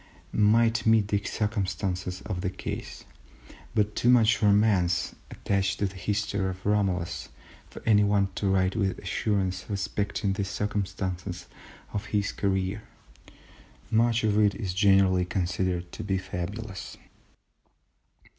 C., might meet the circumstances of the case, but too much romance attaches to the history of Romulus for anyone to write with assurance respecting the circumstances of his career. Much of it is generally considered to be fabulous.